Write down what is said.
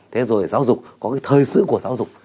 thế rồi giáo dục có cái thời sự của giáo dục